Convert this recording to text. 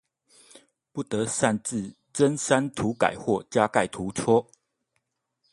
不得擅自增刪塗改或加蓋圖戳